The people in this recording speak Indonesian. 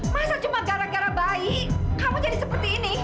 masa cuma gara gara bayi kamu jadi seperti ini